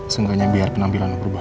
seenggaknya biar penampilan lo berubah